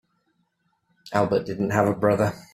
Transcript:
Albert didn't have a brother.